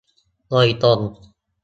โดยตรง